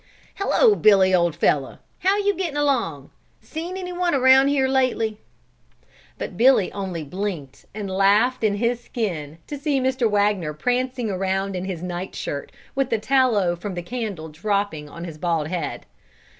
"Hello! Billy old fellow, how are you getting along? Seen anyone around here lately?" But Billy only blinked and laughed in his skin to see Mr. Wagner prancing around in his night shirt, with the tallow from the candle dropping on his bald head.